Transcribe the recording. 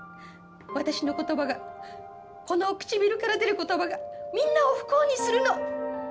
私の言葉がこのくちびるから出る言葉がみんなを不幸にするの！